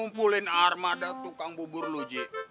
ngumpulin armada tukang bubur lu ji